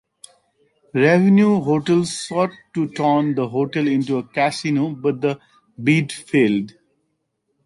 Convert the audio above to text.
Revenue Hotels sought to turn the hotel into a casino, but the bid failed.